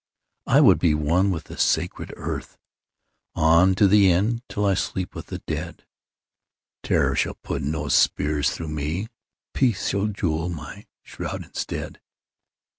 I would be one with the sacred earth On to the end, till I sleep with the dead. Terror shall put no spears through me. Peace shall jewel my shroud instead.